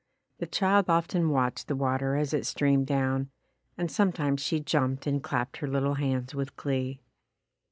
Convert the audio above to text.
The child often watched the water as it streamed down, and sometimes she jumped and clapped her little hands with glee.